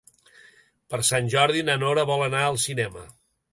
Per Sant Jordi na Nora vol anar al cinema.